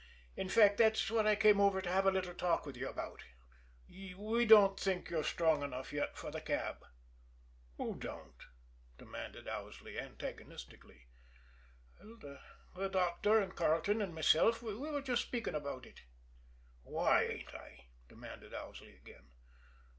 "In fact, that's what I came over to have a little talk with you about. We don't think you're strong enough yet for the cab." "Who don't?" demanded Owsley antagonistically. "The doctor and Carleton and myself we were just speaking about it." "Why ain't I?" demanded Owsley again.